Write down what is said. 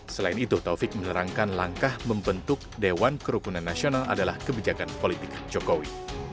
selain itu taufik menerangkan langkah membentuk dewan kerukunan nasional adalah kebijakan politik jokowi